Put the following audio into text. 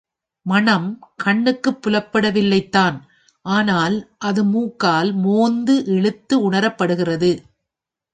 மணம் கண்ணுக்குப் புலப்படவில்லை தான் ஆனால் அது மூக்கால் மோந்து இழுத்து உணரப்படுகிறது.